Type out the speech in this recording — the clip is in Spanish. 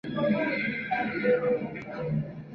Don Toba, en cambio, estaba feliz de la dicha.